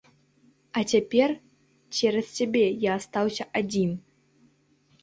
А цяпер цераз цябе я астаўся адзін.